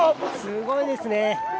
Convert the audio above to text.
すごいですね！